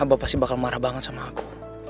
bapak pasti bakal marah banget sama aku